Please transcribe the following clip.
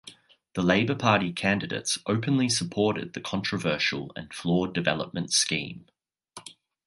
The Labour Party candidates openly supported the controversial and flawed development scheme.